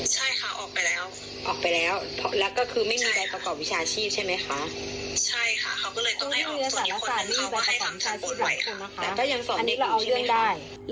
ใช่ค่ะออกไปแล้วออกไปแล้วแล้วก็คือไม่มีใบประกอบวิชาชีพใช่ไหมคะใช่ค่ะเขาก็เลยต้องให้ออกสองคนอันนี้แต่ก็ยังสอนเด็กเหล่านี้ไม่ได้